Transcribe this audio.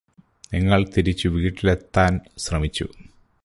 നിങ്ങള് തിരിച്ചു വീട്ടിലെത്താൻ ശ്രമിച്ചു